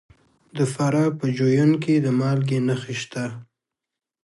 د فراه په جوین کې د مالګې نښې شته.